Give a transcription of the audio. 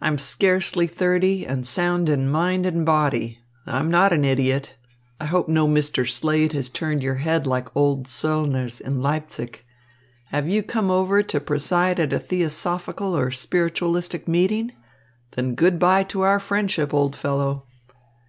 "I am scarcely thirty, and sound in mind and body. I'm not an idiot. I hope no Mr. Slade has turned your head like old Zöllner's in Leipzig. Have you come over to preside at a theosophical or spiritualistic meeting? Then good bye to our friendship, old fellow."